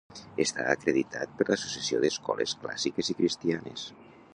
Està acreditat per l'Associació d'Escoles Clàssiques i Cristianes.